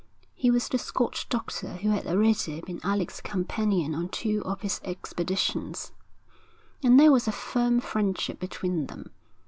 He was the Scotch doctor who had already been Alec's companion on two of his expeditions; and there was a firm friendship between them.